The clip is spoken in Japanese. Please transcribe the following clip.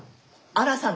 荒さん。